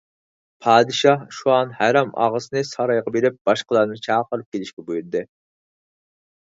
پادىشاھ شۇئان ھەرەمئاغىسىنى سارايغا بېرىپ باشقىلارنى چاقىرىپ كېلىشكە بۇيرۇدى.